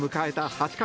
８回。